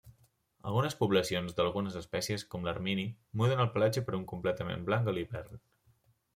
Algunes poblacions d'algunes espècies, com l'Ermini, muden el pelatge per un completament blanc a l'hivern.